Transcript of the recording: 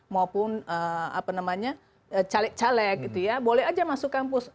maupun apa namanya caleg caleg gitu ya boleh aja masuk kampus